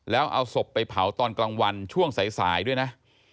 แล้วเอาศพไปเผาตอนกลางวันช่วงสายด้วยนะ